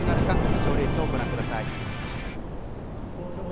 決勝レースをご覧ください。